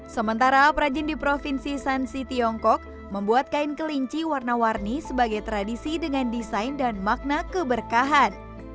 sementara perajin di provinsi sansi tiongkok membuat kain kelinci warna warni sebagai tradisi dengan desain dan makna keberkahan